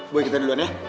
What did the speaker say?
boy kita duluan ya